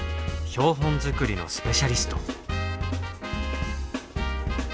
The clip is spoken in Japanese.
標本作りのスペシャリスト。